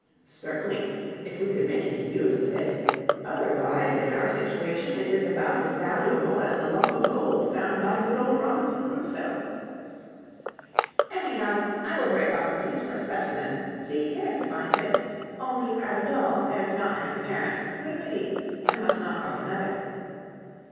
"Certainly, if we could make any use of it; otherwise, in our situation, it is about as valuable as the lump of gold found by good old Robinson Crusoe." "Anyhow, I will break off a piece for a specimen. See, here is a fine bit, only rather dull, and not transparent; what a pity! I must knock off another."